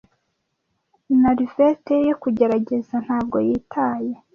NaÏveté yo kugerageza, ntabwo yitaye